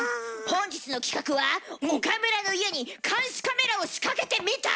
本日の企画は岡村の家に監視カメラを仕掛けてみた！